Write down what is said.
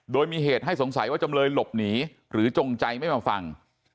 โดยมีเหตุให้สงสัยว่าจำเลยหลบหนีหรือจงใจไม่มาฟัง